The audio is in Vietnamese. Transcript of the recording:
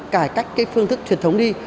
cải cách phương thức truyền thống đi